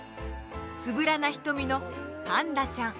つぶらな瞳のパンダちゃん。